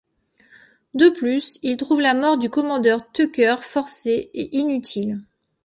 De plus, ils trouvent la mort du commandeur Tucker forcée et inutile.